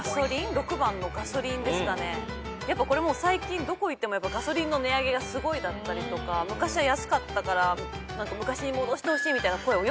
やっぱ最近どこ行ってもガソリンの値上げがすごいだったりとか昔は安かったから昔に戻してほしいみたいな声をよく聞くので。